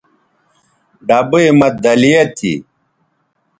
ڈبئ مہ دَلیہ تھی